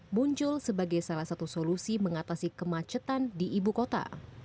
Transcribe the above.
muncul sebagai salah satu solusi mengatasi kemacetan di ibu kota